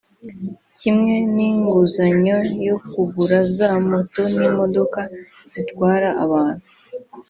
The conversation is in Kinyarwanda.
kimwe n’inguzanyo yo kugura za moto n’imodoka zitwara abantu